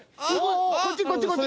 こっちこっちこっち！